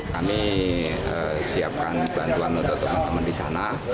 kami siapkan bantuan untuk teman teman di sana